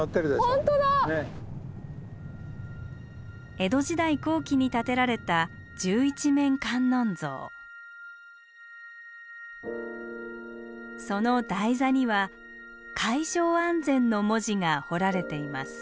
江戸時代後期に建てられたその台座には「海上安全」の文字が彫られています。